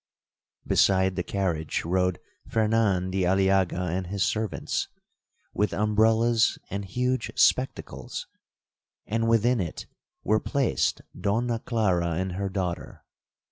Beside the carriage rode Fernan di Aliaga and his servants, with umbrellas and huge spectacles; and within it were placed Donna Clara and her daughter.